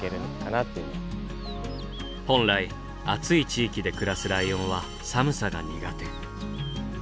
本来暑い地域で暮らすライオンは寒さが苦手。